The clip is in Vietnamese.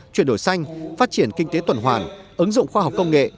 chuyển đổi xanh phát triển kinh tế tuần hoàn ứng dụng khoa học công nghệ